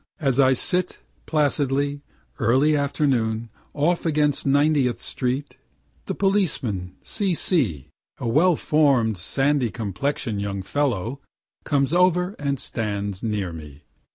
As I sit, placidly, early afternoon, off against Ninetieth street, the policeman, C. C., a well form'd sandy complexion'd young fellow, comes over and stands near me.